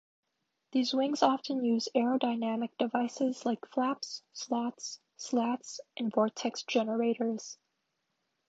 These wings often use aerodynamic devices like flaps, slots, slats, and vortex generators.